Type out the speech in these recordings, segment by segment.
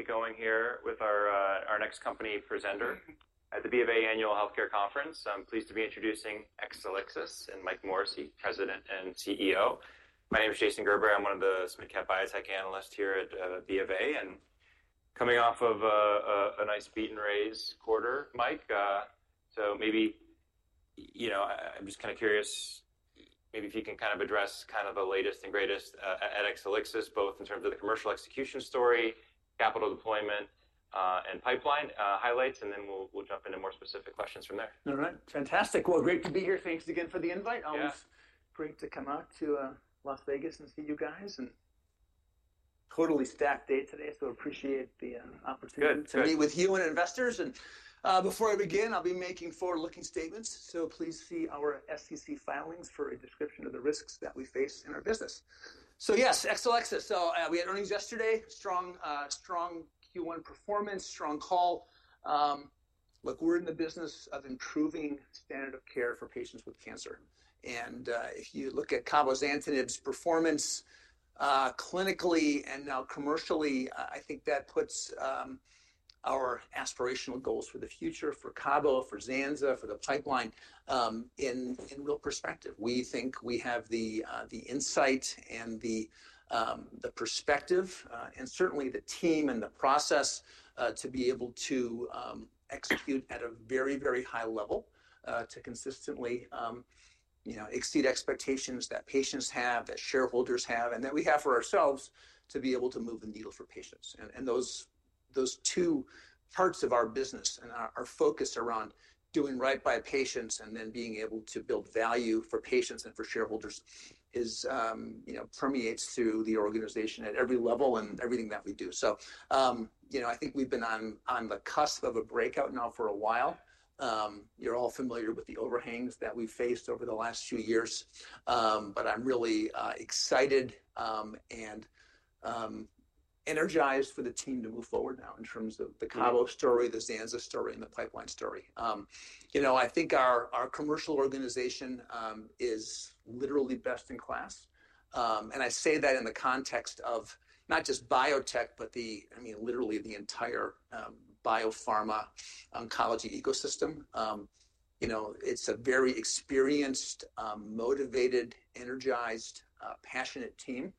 We're going to get going here with our next company presenter at the BofA Annual Healthcare Conference. I'm pleased to be introducing Exelixis and Mike Morrissey, President and CEO. My name is Jason Gerberry. I'm one of the biotech analysts here at BofA, and coming off of a nice beat-and-raise quarter, Mike. Maybe, you know, I'm just kind of curious if you can address the latest and greatest at Exelixis, both in terms of the commercial execution story, capital deployment, and pipeline highlights, and then we'll jump into more specific questions from there. All right. Fantastic. Great to be here. Thanks again for the invite. Always great to come out to Las Vegas and see you guys. Totally stacked day today, so appreciate the opportunity to meet with you and investors. Before I begin, I'll be making forward-looking statements, so please see our SEC filings for a description of the risks that we face in our business. Yes, Exelixis. We had earnings yesterday, strong Q1 performance, strong call. Look, we're in the business of improving standard of care for patients with cancer. If you look at cabozantinib's performance, clinically and now commercially, I think that puts our aspirational goals for the future for cabo, for zanza, for the pipeline, in real perspective. We think we have the insight and the perspective, and certainly the team and the process, to be able to execute at a very, very high level, to consistently, you know, exceed expectations that patients have, that shareholders have, and that we have for ourselves to be able to move the needle for patients. Those two parts of our business and our focus around doing right by patients and then being able to build value for patients and for shareholders is, you know, permeates through the organization at every level and everything that we do. You know, I think we've been on the cusp of a breakout now for a while. You're all familiar with the overhangs that we've faced over the last few years. I'm really excited and energized for the team to move forward now in terms of the cabo story, the zanza story, and the pipeline story. You know, I think our commercial organization is literally best in class. I say that in the context of not just biotech, but literally the entire biopharma oncology ecosystem. You know, it's a very experienced, motivated, energized, passionate team.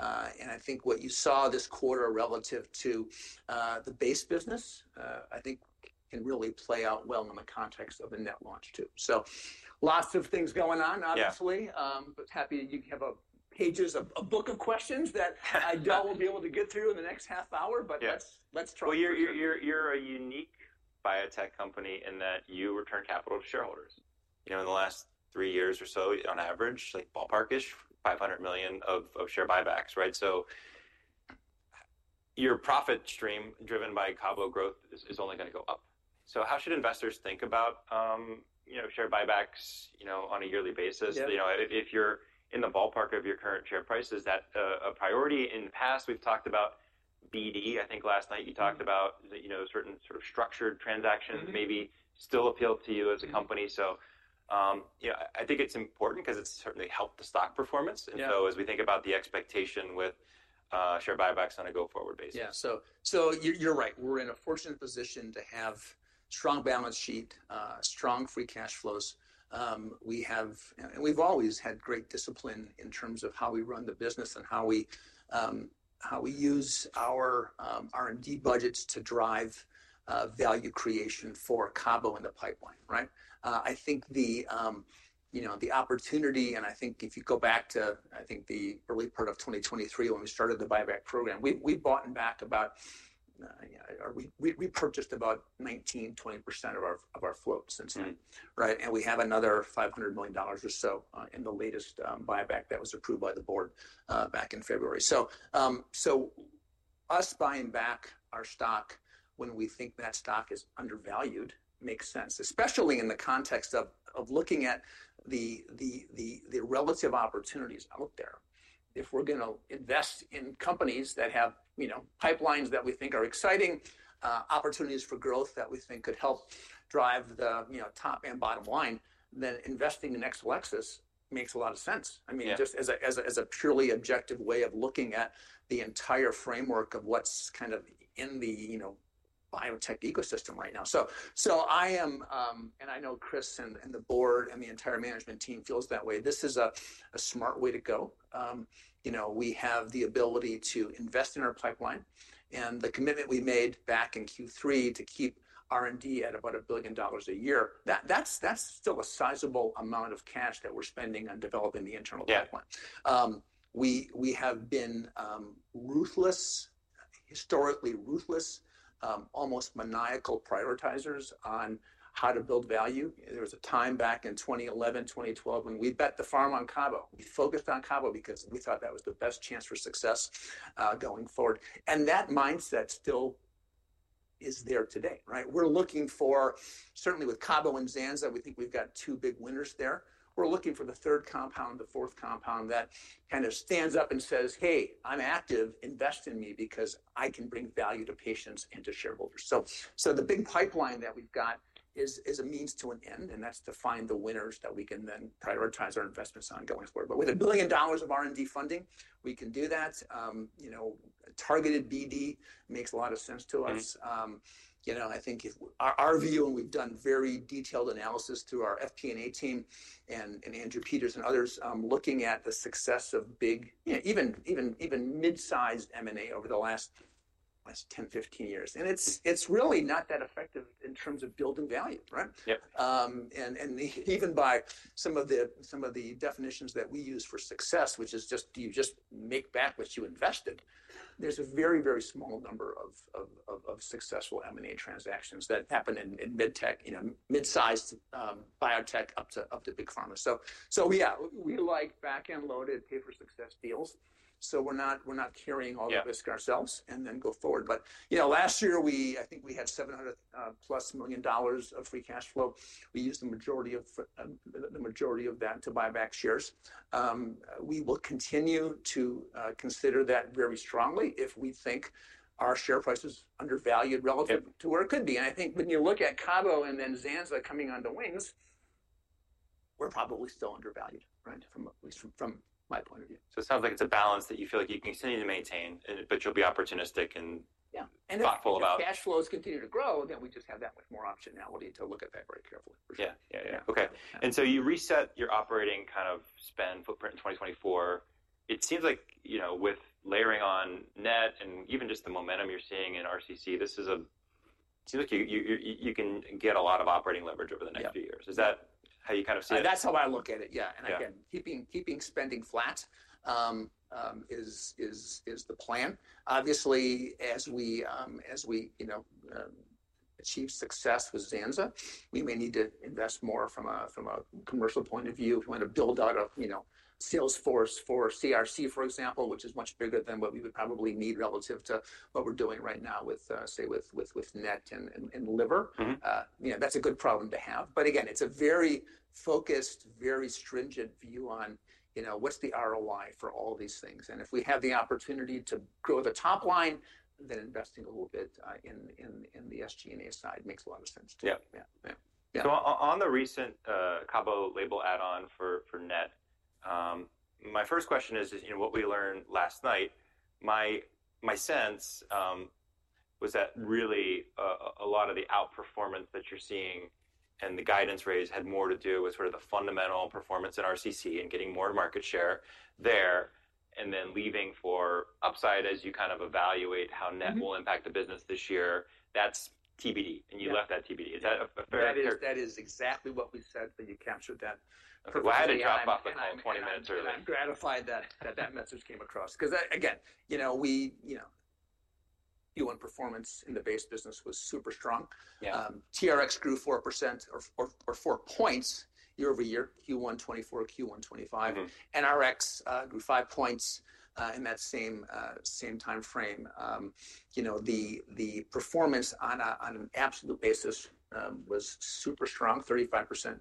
I think what you saw this quarter relative to the base business, I think can really play out well in the context of a NET launch too. Lots of things going on, obviously. Happy you have pages, a book of questions that I doubt we'll be able to get through in the next half hour, but let's try. You're a unique biotech company in that you return capital to shareholders. You know, in the last three years or so, on average, like ballpark-ish, $500 million of share buybacks, right? Your profit stream driven by cabo growth is only going to go up. How should investors think about, you know, share buybacks, you know, on a yearly basis? You know, if you're in the ballpark of your current share prices, that a priority in the past. We've talked about BD. I think last night you talked about, you know, certain sort of structured transactions maybe still appeal to you as a company. You know, I think it's important because it's certainly helped the stock performance. As we think about the expectation with share buybacks on a go-forward basis. Yeah. You're right. We're in a fortunate position to have strong balance sheet, strong free cash flows. We have, and we've always had great discipline in terms of how we run the business and how we use our R&D budgets to drive value creation for cabo and the pipeline, right? I think the, you know, the opportunity, and I think if you go back to, I think the early part of 2023 when we started the buyback program, we bought back about, we repurchased about 19-20% of our float since then, right? And we have another $500 million or so in the latest buyback that was approved by the board back in February. Us buying back our stock when we think that stock is undervalued makes sense, especially in the context of looking at the relative opportunities out there. If we're going to invest in companies that have pipelines that we think are exciting, opportunities for growth that we think could help drive the top and bottom line, then investing in Exelixis makes a lot of sense. I mean, just as a purely objective way of looking at the entire framework of what's kind of in the biotech ecosystem right now. I am, and I know Chris and the board and the entire management team feels that way. This is a smart way to go. You know, we have the ability to invest in our pipeline and the commitment we made back in Q3 to keep R&D at about $1 billion a year, that, that's still a sizable amount of cash that we're spending on developing the internal pipeline. We have been ruthless, historically ruthless, almost maniacal prioritizers on how to build value. There was a time back in 2011, 2012 when we bet the farm on cabo. We focused on cabo because we thought that was the best chance for success, going forward. That mindset still is there today, right? We're looking for, certainly with cabo and zanza, we think we've got two big winners there. We're looking for the third compound, the fourth compound that kind of stands up and says, "Hey, I'm active. Invest in me because I can bring value to patients and to shareholders." The big pipeline that we've got is a means to an end, and that's to find the winners that we can then prioritize our investments on going forward. With $1 billion of R&D funding, we can do that. You know, targeted BD makes a lot of sense to us. You know, I think our view, and we've done very detailed analysis through our FP&A team and Andrew Peters and others, looking at the success of big, even mid-sized M&A over the last 10-15 years. It's really not that effective in terms of building value, right? Yep. And even by some of the definitions that we use for success, which is just, you just make back what you invested, there's a very, very small number of successful M&A transactions that happen in mid-tech, you know, mid-sized biotech up to big pharma. Yeah, we like back-end loaded pay-for-success deals, so we're not carrying all the risk ourselves and then go forward. But, you know, last year we, I think we had $700+ million of free cash flow. We used the majority of that to buyback shares. We will continue to consider that very strongly if we think our share price is undervalued relative to where it could be. I think when you look at cabo and then zanza coming onto wings, we're probably still undervalued, right? From my point of view. It sounds like it's a balance that you feel like you continue to maintain, but you'll be opportunistic and thoughtful about. Yeah. If the cash flows continue to grow, then we just have that much more optionality to look at that very carefully. Yeah. Yeah. Okay. And you reset your operating kind of spend footprint in 2024. It seems like, you know, with layering on NET and even just the momentum you're seeing in RCC, this is a, it seems like you can get a lot of operating leverage over the next few years. Is that how you kind of see it? That's how I look at it. Yeah. And again, keeping spending flat is the plan. Obviously, as we, you know, achieve success with zanza, we may need to invest more from a commercial point of view. If we want to build out a Salesforce for CRC, for example, which is much bigger than what we would probably need relative to what we're doing right now with, say, with NET and liver, you know, that's a good problem to have. Again, it's a very focused, very stringent view on, you know, what's the ROI for all these things. If we have the opportunity to grow the top line, then investing a little bit in the SG&A side makes a lot of sense too. Yeah. Yeah. Yeah. On the recent cabo label add-on for NET, my first question is, you know, what we learned last night, my sense was that really, a lot of the outperformance that you're seeing and the guidance raise had more to do with sort of the fundamental performance at RCC and getting more market share there and then leaving for upside as you kind of evaluate how NET will impact the business this year. That's TBD, and you left that TBD. Is that fair? That is exactly what we said, that you captured that. I had to drop off at home 20 minutes early. I'm gratified that that message came across because again, you know, we, you know, Q1 performance in the base business was super strong. TRx grew 4% or four points year-over-year, Q1 2024, Q1 2025. NRx grew five points in that same timeframe. You know, the performance on an absolute basis was super strong, 35%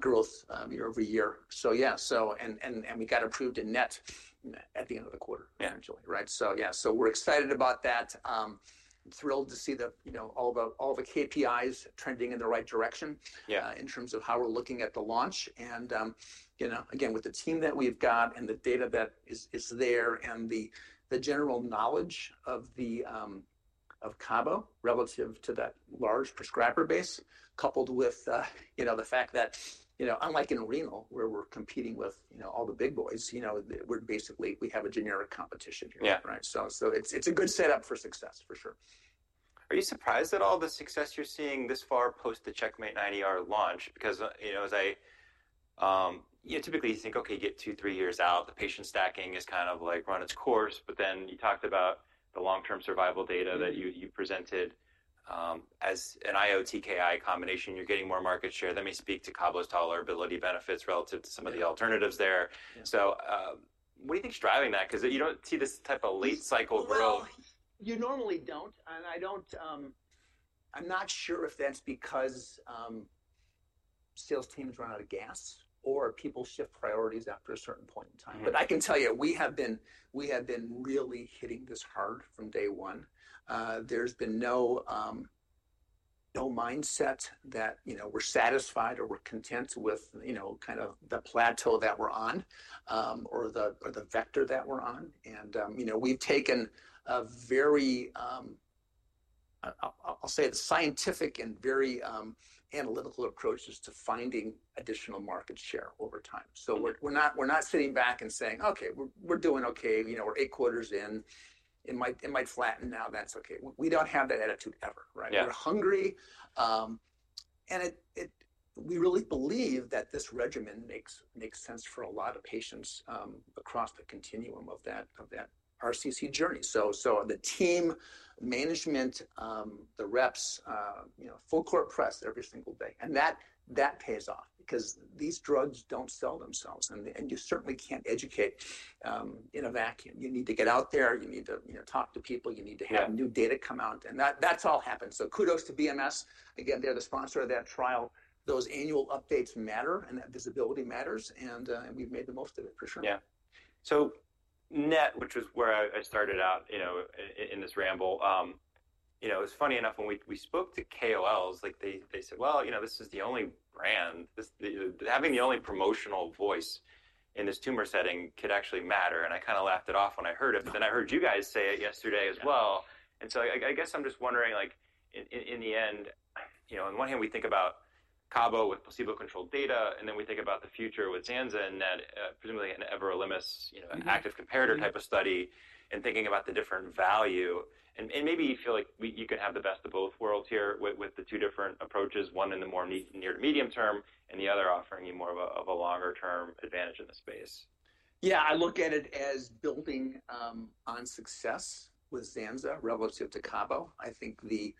growth year-over-year. Yeah, and we got approved in NET at the end of the quarter, right? Yeah, we're excited about that. Thrilled to see the, you know, all the KPIs trending in the right direction, in terms of how we're looking at the launch. You know, again, with the team that we've got and the data that is there and the general knowledge of the, of cabo relative to that large prescriber base, coupled with, you know, the fact that, you know, unlike in renal, where we're competing with all the big boys, we're basically, we have a generic competition here, right? It's a good setup for success for sure. Are you surprised at all the success you're seeing this far post the CheckMate -9ER launch? Because, you know, as I, you know, typically you think, okay, get two, three years out, the patient stacking is kind of like run its course, but then you talked about the long-term survival data that you, you presented, as an IO-TKI combination, you're getting more market share. That may speak to cabo's tolerability benefits relative to some of the alternatives there. What do you think's driving that? Because you don't see this type of late cycle growth. You normally do not. I do not, I am not sure if that is because sales teams run out of gas or people shift priorities after a certain point in time. I can tell you, we have been really hitting this hard from day one. There has been no mindset that, you know, we are satisfied or we are content with, you know, kind of the plateau that we are on, or the vector that we are on. You know, we have taken a very, I will say, the scientific and very analytical approaches to finding additional market share over time. We are not sitting back and saying, okay, we are doing okay. You know, we are eight quarters in, it might flatten now. That is okay. We do not have that attitude ever, right? We are hungry. It, we really believe that this regimen makes sense for a lot of patients, across the continuum of that RCC journey. The team management, the reps, you know, full-court press every single day. That pays off because these drugs don't sell themselves. You certainly can't educate in a vacuum. You need to get out there. You need to, you know, talk to people. You need to have new data come out. That's all happened. Kudos to BMS. Again, they're the sponsor of that trial. Those annual updates matter and that visibility matters. We've made the most of it for sure. Yeah. So NET, which was where I started out, you know, in this ramble, you know, it was funny enough when we spoke to KOLs, like they said, well, you know, this is the only brand. This, having the only promotional voice in this tumor setting, could actually matter. I kind of laughed it off when I heard it, but then I heard you guys say it yesterday as well. I guess I'm just wondering, like in the end, you know, on one hand, we think about cabo with placebo-controlled data, and then we think about the future with zanza and [NET], presumably an everolimus, you know, active comparator type of study and thinking about the different value. Maybe you feel like you can have the best of both worlds here with the two different approaches, one in the more near to medium term and the other offering you more of a longer-term advantage in the space. Yeah. I look at it as building on success with zanza relative to cabo. I think the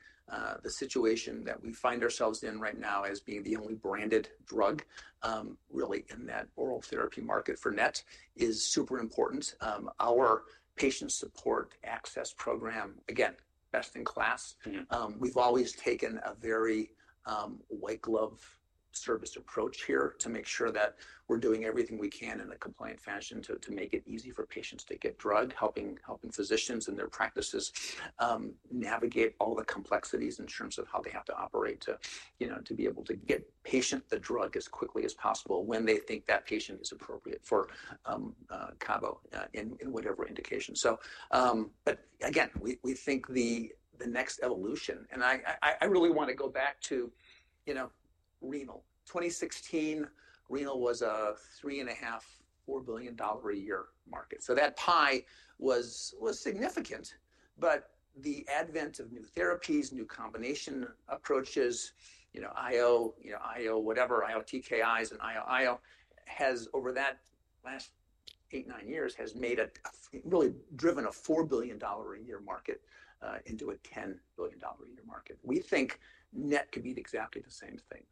situation that we find ourselves in right now as being the only branded drug really in that oral therapy market for NET is super important. Our patient support access program, again, best in class. We've always taken a very white glove service approach here to make sure that we're doing everything we can in a compliant fashion to make it easy for patients to get drug, helping physicians and their practices navigate all the complexities in terms of how they have to operate to, you know, to be able to get patient the drug as quickly as possible when they think that patient is appropriate for cabo in whatever indication. We think the next evolution, and I really want to go back to, you know, renal. In 2016, renal was a $3.5 billion-$4 billion a year market. That pie was significant, but the advent of new therapies, new combination approaches, you know, IO, you know, IO, whatever, IO-TKIs and IO-IO has, over that last eight, nine years, really driven a $4 billion a year market into a $10 billion a year market. We think NET could be exactly the same thing.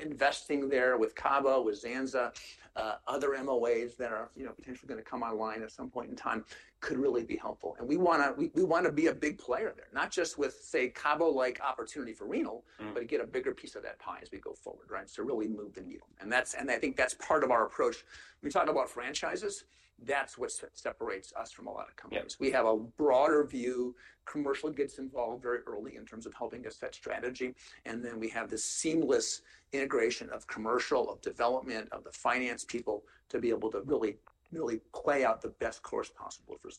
Investing there with cabo, with zanza, other MOAs that are potentially going to come online at some point in time could really be helpful. We want to be a big player there, not just with, say, cabo-like opportunity for renal, but to get a bigger piece of that pie as we go forward, right? Really move the needle. I think that's part of our approach. We talk about franchises. That's what separates us from a lot of companies. We have a broader view, commercial gets involved very early in terms of helping us set strategy. We have the seamless integration of commercial, of development, of the finance people to be able to really, really play out the best course possible for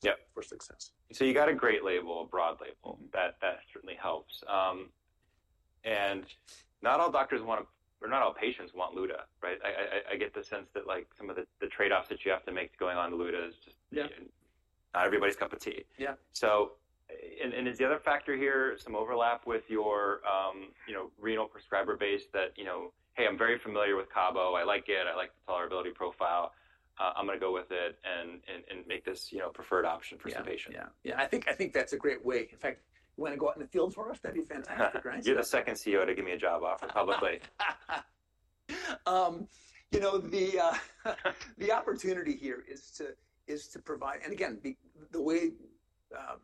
success. You got a great label, a broad label that certainly helps. Not all doctors want to, or not all patients want [LUTA], right? I get the sense that some of the trade-offs that you have to make going on to [LUTA] is just not everybody's cup of tea. Yeah. And is the other factor here some overlap with your, you know, renal-prescriber base that, you know, hey, I'm very familiar with cabo. I like it. I like the tolerability profile. I'm going to go with it and make this, you know, preferred option for some patients. Yeah. I think that's a great way. In fact, you want to go out in the field for us? That'd be fantastic, right? You're the second CEO to give me a job offer publicly. You know, the opportunity here is to provide, and again, the way cabo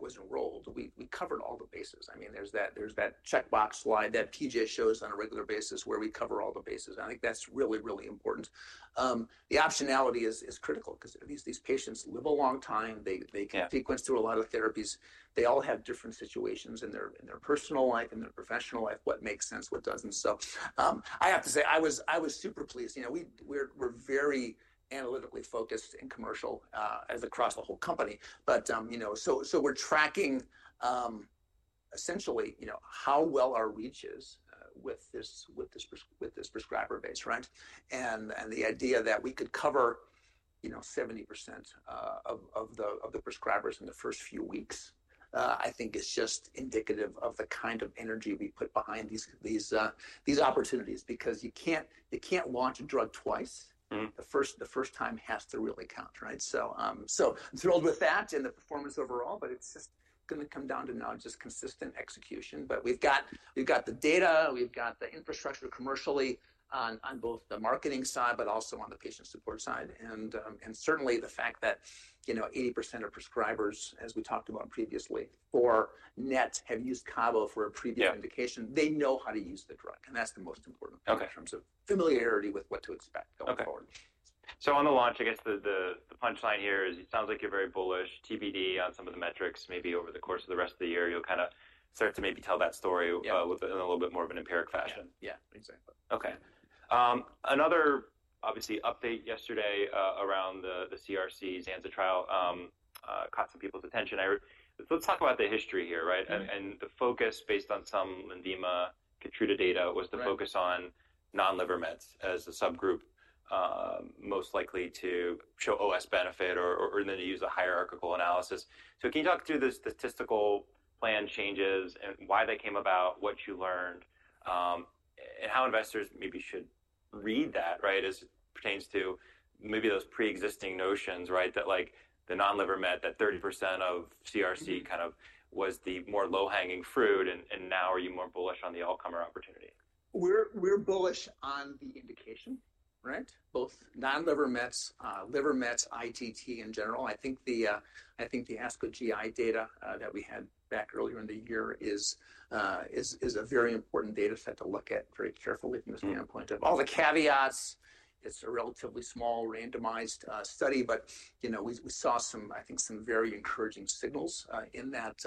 was enrolled, we covered all the bases. I mean, there is that checkbox slide that PJ shows on a regular basis where we cover all the bases. I think that is really, really important. The optionality is critical because these patients live a long time. They can sequence through a lot of therapies. They all have different situations in their personal life, in their professional life, what makes sense, what does not. I have to say I was super pleased. You know, we are very analytically focused in commercial, as across the whole company. You know, we are tracking, essentially, how well our reach is with this prescriber base, right? The idea that we could cover 70% of the prescribers in the first few weeks, I think, is just indicative of the kind of energy we put behind these opportunities because you cannot launch a drug twice. The first time has to really count, right? I am thrilled with that and the performance overall. It is just going to come down to now just consistent execution. We have the data, we have the infrastructure commercially on both the marketing side, but also on the patient-support side. Certainly, the fact that 80% of prescribers, as we talked about previously, for NET have used cabo for a previous indication. They know how to use the drug. That is the most important thing in terms of familiarity with what to expect going forward. On the launch, I guess the punchline here is it sounds like you're very bullish, TBD on some of the metrics. Maybe over the course of the rest of the year, you'll kind of start to maybe tell that story in a little bit more of an empiric fashion. Yeah, exactly. Okay. Another obviously update yesterday, around the CRC zanza trial, caught some people's attention. I heard, let's talk about the history here, right? And the focus based on some [Dima KEYTRUDA] data was to focus on non-liver mets as a subgroup, most likely to show OS benefit or, or then to use a hierarchical analysis. Can you talk through the statistical plan changes and why they came about, what you learned, and how investors maybe should read that, right, as it pertains to maybe those pre-existing notions, right, that like the non-liver met, that 30% of CRC kind of was the more low-hanging fruit, and now are you more bullish on the all-comer opportunity? We're bullish on the indication, right? Both non-liver meds, liver meds, ITT in general. I think the ASCO GI data that we had back earlier in the year is a very important data set to look at very carefully from the standpoint of all the caveats. It's a relatively small randomized study, but you know, we saw some, I think, some very encouraging signals in that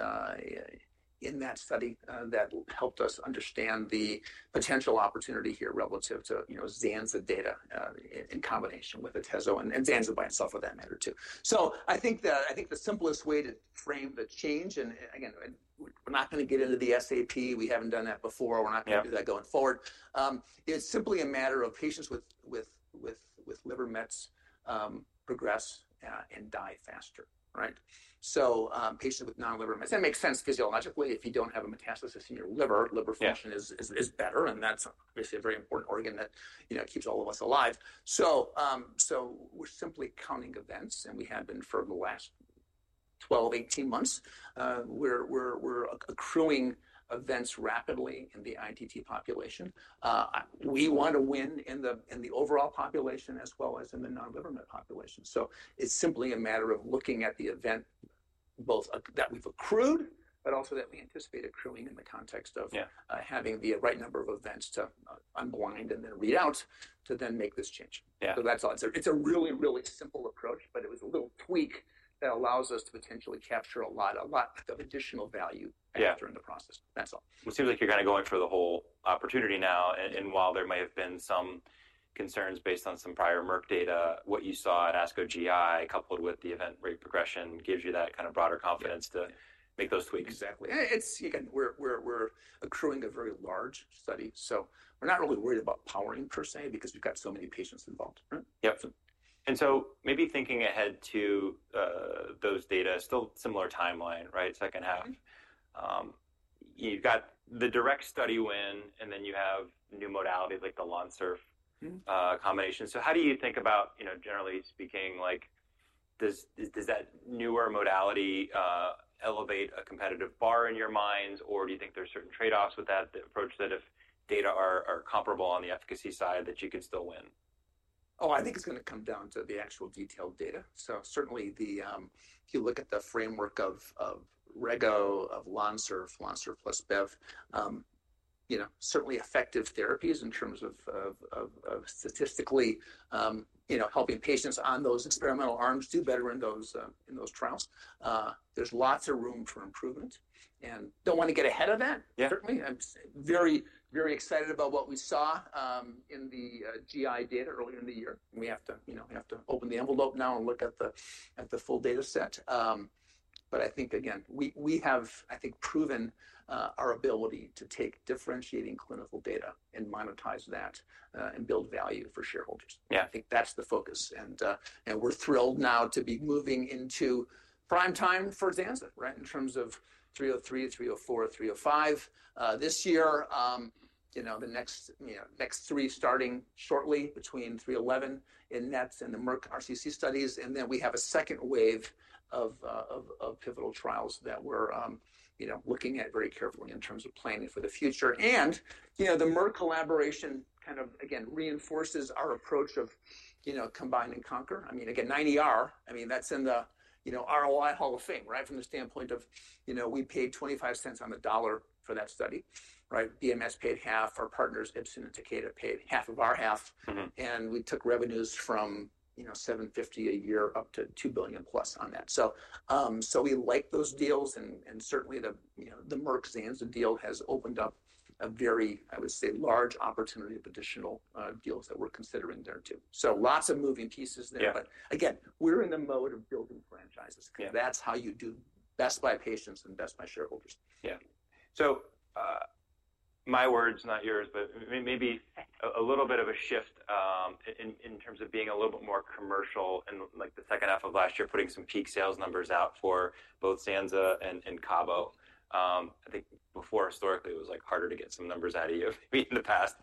study that helped us understand the potential opportunity here relative to, you know, zanza data in combination with atezo and zanza by itself for that matter too. I think the simplest way to frame the change, and again, we're not going to get into the SAP. We haven't done that before. We're not going to do that going forward. It's simply a matter of patients with liver mets progress and die faster, right? Patients with non-liver mets, that makes sense physiologically. If you don't have a metastasis in your liver, liver function is better. That's obviously a very important organ that, you know, keeps all of us alive. We're simply counting events and we have been for the last 12-18 months. We're accruing events rapidly in the ITT population. We want to win in the overall population as well as in the non-liver met population. It's simply a matter of looking at the events both that we've accrued, but also that we anticipate accruing in the context of having the right number of events to unwind and then read out to then make this change. Yeah, That's all. It's a really, really simple approach, but it was a little tweak that allows us to potentially capture a lot of additional value during the process. That's all. It seems like you're kind of going for the whole opportunity now. While there may have been some concerns based on some prior Merck data, what you saw at ASCO GI coupled with the event rate progression gives you that kind of broader confidence to make those tweaks. Exactly. It's, again, we're accruing a very large study. So we're not really worried about powering per se because we've got so many patients involved. Yep. Maybe thinking ahead to those data, still similar timeline, right? Second half. You have the direct study win and then you have new modalities like the LONSURF combination. How do you think about, you know, generally speaking, like does that newer modality elevate a competitive bar in your minds or do you think there are certain trade-offs with that, the approach that if data are comparable on the efficacy side that you could still win? Oh, I think it's going to come down to the actual detailed data. Certainly, if you look at the framework of rego, of LONSURF, LONSURF plus bev, you know, certainly effective therapies in terms of statistically, you know, helping patients on those experimental arms do better in those trials. There's lots of room for improvement and don't want to get ahead of that. Certainly, I'm very, very excited about what we saw in the GI data earlier in the year. We have to, you know, we have to open the envelope now and look at the full data set. I think again, we have, I think, proven our ability to take differentiating clinical data and monetize that, and build value for shareholders. Yeah. I think that's the focus. We're thrilled now to be moving into prime time for zanza, right? In terms of 303, 304, 305, this year, you know, the next, you know, next three starting shortly between 311 in NETs and the Merck RCC studies. We have a second wave of pivotal trials that we're, you know, looking at very carefully in terms of planning for the future. You know, the Merck collaboration kind of again reinforces our approach of, you know, combine and conquer. I mean, again, 9ER, I mean, that's in the, you know, ROI Hall of Fame, right? From the standpoint of, you know, we paid $0.25 on the dollar for that study, right? BMS paid half, our partners Ipsen and Takeda paid half of our half. We took revenues from, you know, $750 million a year up to $2 billion+ on that. We like those deals and certainly the, you know, the Merck-zanza deal has opened up a very, I would say, large opportunity of additional deals that we're considering there too. Lots of moving pieces there. Again, we're in the mode of building franchises. That's how you do best by patients and best by shareholders. Yeah. My words, not yours, but maybe a little bit of a shift in terms of being a little bit more commercial and like the second half of last year, putting some peak sales numbers out for both zanza and cabo. I think before historically it was harder to get some numbers out of you in the past.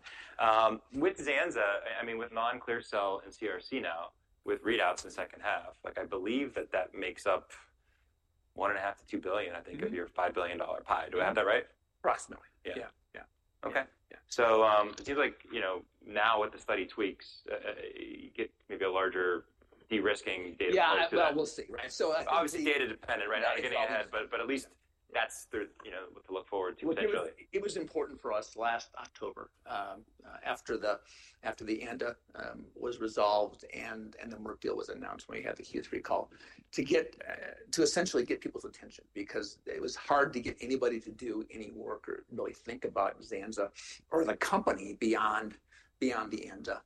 With zanza, I mean, with non-clear cell and CRC now with readouts in the second half, like I believe that that makes up $1.5 billion-$2 billion, I think, of your $5 billion pie. Do I have that right? Approximately. Yeah. Yeah. Okay. Yeah. So, it seems like, you know, now with the study tweaks, you get maybe a larger de-risking data too. Yeah, we'll see, right? Obviously data dependent right now, getting ahead, but at least that's the, you know, what to look forward to potentially. It was important for us last October, after the ANDA was resolved and the Merck deal was announced when we had the Q3 call, to essentially get people's attention because it was hard to get anybody to do any work or really think about zanza or the company beyond the ANDA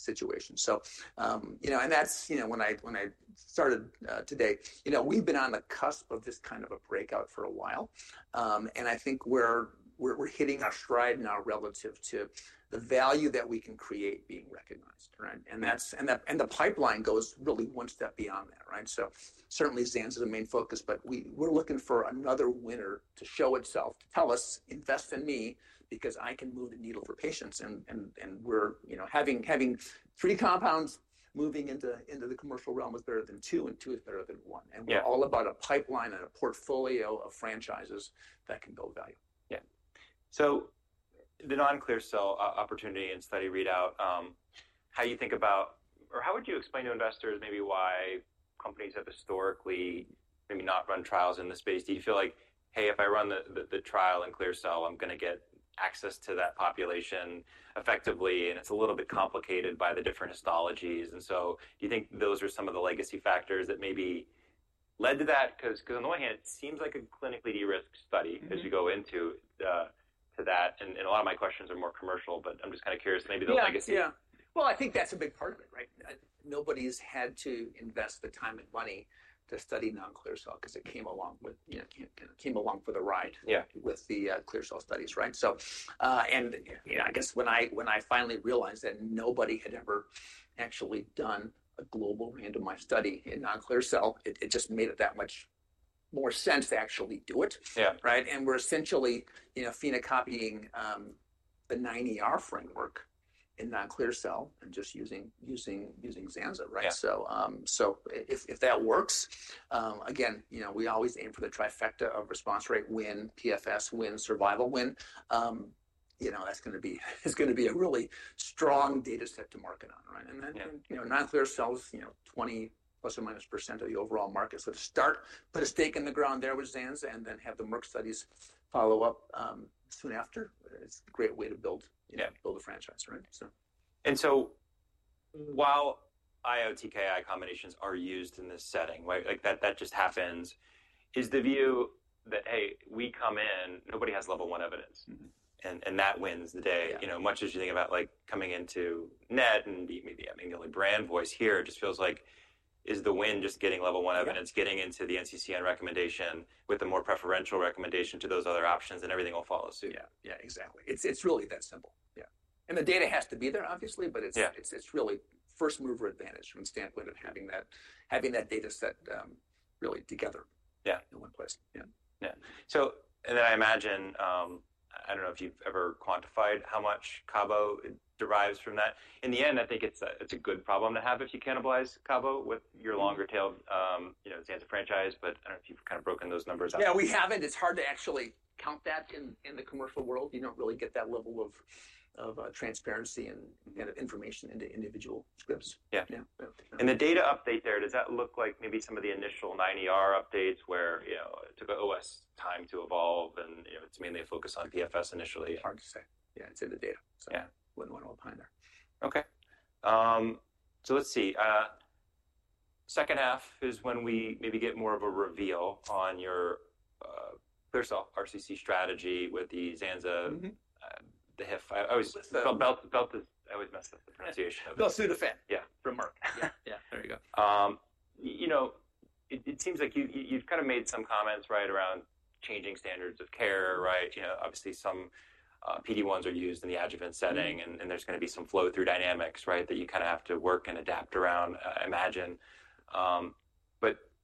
situation. You know, that's when I started. Today, you know, we've been on the cusp of this kind of a breakout for a while, and I think we're hitting our stride now relative to the value that we can create being recognized, right? The pipeline goes really one step beyond that, right? Certainly, zanza is the main focus, but we are looking for another winner to show itself, to tell us, invest in me because I can move the needle for patients. Having three compounds moving into the commercial realm is better than two and two is better than one. We are all about a pipeline and a portfolio of franchises that can build value. Yeah. The non-clear cell opportunity and study readout, how you think about, or how would you explain to investors maybe why companies have historically maybe not run trials in the space? Do you feel like, hey, if I run the trial in clear cell, I'm going to get access to that population effectively and it's a little bit complicated by the different histologies. Do you think those are some of the legacy factors that maybe led to that? Because on the one hand, it seems like a clinically de-risked study as you go into that. A lot of my questions are more commercial, but I'm just kind of curious maybe those legacy. Yeah. Yeah. I think that's a big part of it, right? Nobody's had to invest the time and money to study non-clear cell because it came along with, you know, came along for the ride with the clear cell studies, right? You know, I guess when I finally realized that nobody had ever actually done a global randomized study in non-clear cell, it just made it that much more sense to actually do it, right? We're essentially, you know, phenocopying the 9ER Framework in non-clear cell and just using, using, using zanza, right? If that works, again, you know, we always aim for the trifecta of response rate win, PFS win, survival win. You know, that's going to be, it's going to be a really strong data set to market on, right? You know, non-clear cells, you know, ±20% of the overall market. To start, put a stake in the ground there with zanza and then have the Merck studies follow up soon after, it's a great way to build, you know, build a franchise, right? While IO-TKI combinations are used in this setting, right? Like that just happens, is the view that, hey, we come in, nobody has level one evidence and that wins the day, you know, much as you think about like coming into NET and maybe, I mean, the only brand voice here just feels like, is the win just getting level one evidence, getting into the NCCN recommendation with a more preferential recommendation to those other options and everything will follow suit. Yeah. Yeah, exactly. It's really that simple. Yeah. The data has to be there obviously, but it's really first mover advantage from the standpoint of having that, having that data set really together in one place. Yeah. Yeah. So, and then I imagine, I don't know if you've ever quantified how much cabo derives from that. In the end, I think it's a, it's a good problem to have if you cannibalize cabo with your longer tailed, you know, zanza franchise, but I don't know if you've kind of broken those numbers out. Yeah, we haven't. It's hard to actually count that in the commercial world. You don't really get that level of transparency and of information into individual scripts. Yeah. And the data update there, does that look like maybe some of the initial 9ER updates where, you know, it took an OS time to evolve and, you know, it's mainly a focus on PFS initially. Hard to say. Yeah. It's in the data. So I wouldn't want to opine there. Okay. Let's see. Second half is when we maybe get more of a reveal on your clear cell RCC strategy with the zanza, [the HIF]. I always felt as I always messed up the pronunciation. The [SUDAFED]. Yeah. From Merck. Yeah. There you go. You know, it seems like you've kind of made some comments, right, around changing standards of care, right? You know, obviously some PD-1s are used in the adjuvant setting and there's going to be some flow through dynamics, right, that you kind of have to work and adapt around, imagine.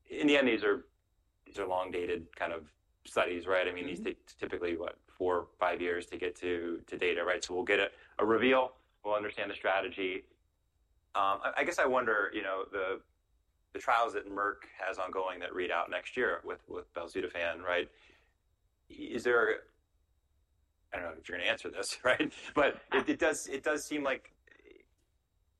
In the end, these are long dated kind of studies, right? I mean, these take typically what, four, five years to get to data, right? We'll get a reveal. We'll understand the strategy. I guess I wonder, you know, the trials that Merck has ongoing that read out next year with belzutifan, right? Is there, I don't know if you're going to answer this, right? It does seem like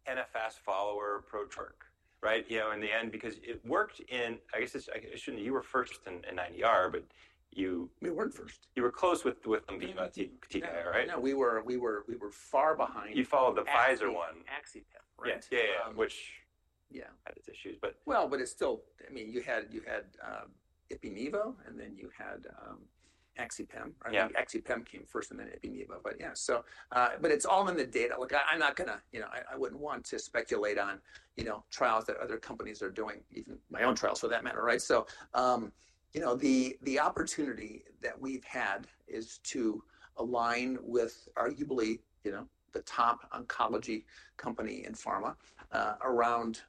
an NFS follower approach [on Merck], right? You know, in the end, because it worked in, I guess it's, I shouldn't, you were first in, in 9ER, but you. We were not first. You were close with. No. We were far behind. You followed the Pfizer one. axi-pem, right? Yeah. Yeah. Which had its issues, but. I mean, you had ipi-nivo and then you had axi-pem, right? axi-pem came first and then ipi-nevo, but yeah. It is all in the data. Look, I'm not going to, you know, I wouldn't want to speculate on, you know, trials that other companies are doing, even my own trials for that matter, right? The opportunity that we've had is to align with arguably, you know, the top oncology company in pharma, around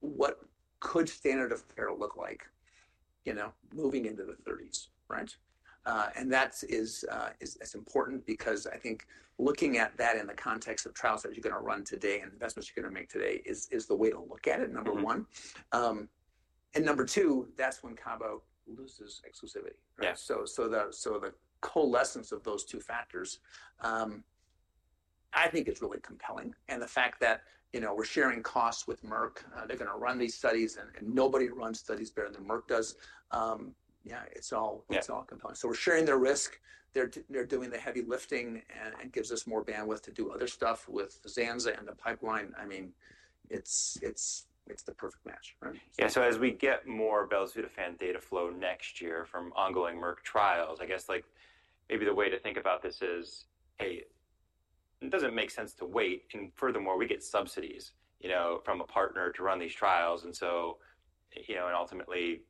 what could standard of care look like, you know, moving into the 2030s, right? That is important because I think looking at that in the context of trials that you're going to run today and investments you're going to make today is the way to look at it, number one. Number two, that's when cabo loses exclusivity, right? The coalescence of those two factors, I think it's really compelling. And the fact that, you know, we're sharing costs with Merck, they're going to run these studies and nobody runs studies better than Merck does. Yeah, it's all compelling. We're sharing their risk, they're doing the heavy lifting and gives us more bandwidth to do other stuff with zanza and the pipeline. I mean, it's the perfect match, right? Yeah. As we get more belzutifan data flow next year from ongoing Merck trials, I guess like maybe the way to think about this is, hey, it doesn't make sense to wait and furthermore we get subsidies, you know, from a partner to run these trials. You know, and ultimately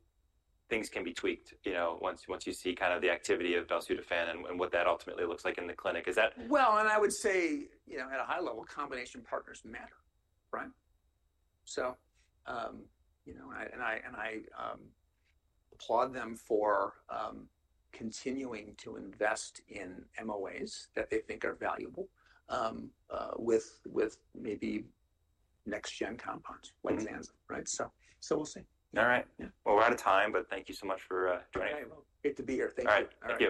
things can be tweaked, you know, once you see kind of the activity of belzutifan and what that ultimately looks like in the clinic. Is that? I would say, you know, at a high-level, combination partners matter, right? You know, I applaud them for continuing to invest in MOAs that they think are valuable, with maybe next-gen compounds like zanza, right? We'll see. All right. We're out of time, but thank you so much for joining. Great to be here. Thank you. All right.